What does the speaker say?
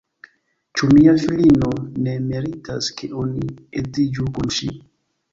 Ĉu mia filino ne meritas, ke oni edziĝu kun ŝi?